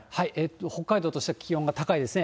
北海道としては気温が高いですね。